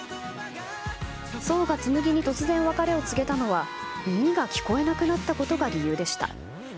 想が紬に突然別れを告げたのは耳が聞こえなくなったことが理由でした。